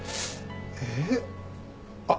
えっ？